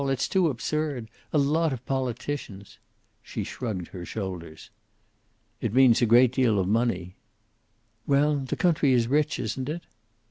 It's too absurd. A lot of politicians?" She shrugged her shoulders. "It means a great deal of money." "'Well, the country is rich, isn't it?"